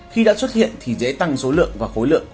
khi đã xuất hiện thì dễ tăng số lượng và khối lượng